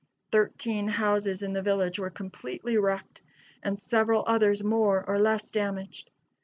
Thirteen houses in the village were completely wrecked, and several others more or less damaged.